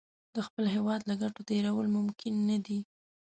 د خپل هېواد له ګټو تېرول ممکن نه دي.